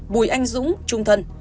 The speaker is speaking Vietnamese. bùi anh dũng trung thân